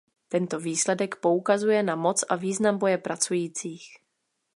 Tento výsledek poukazuje na moc a význam boje pracujících.